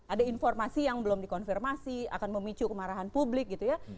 ada informasi yang belum dikonfirmasi akan memicu kemarahan publik gitu ya